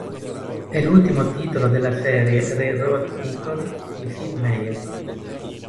È l'ultimo titolo della serie Railroad Tycoon di Sid Meier.